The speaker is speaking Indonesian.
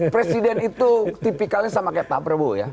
presiden itu tipikalnya sama kayak pak prabowo ya